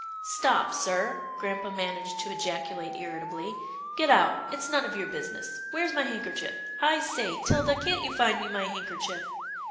" Stop, sir," grampa managed to ejaculate irritably, " get out — it's none of your business. Where's my handkerchief — I say, 'Tilda, can't you find me my handkerchief?